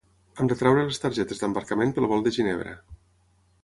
Hem de treure les targetes d'embarcament pel vol de Ginebra.